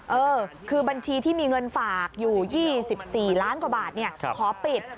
เออคือบัญชีที่มีเงินฝากอยู่๒๔ล้านกว่าบาทขอปิด